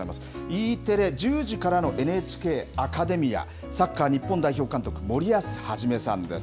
Ｅテレ１０時からのＮＨＫアカデミア、サッカー日本代表監督、森保一さんです。